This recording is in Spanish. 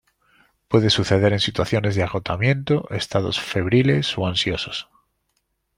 Puede suceder en situaciones de agotamiento, estados febriles o ansiosos.